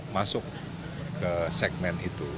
masuk ke segmen itu